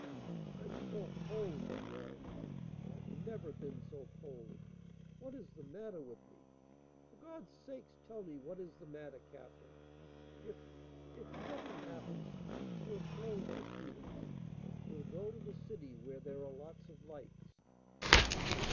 "I'm so cold," he whined. "I've never been so cold. What is the matter with me? For God's sake tell me what is the matter! Katherine if if nothing happens, we'll close the Cedars. We'll go to the city where there are lots of lights."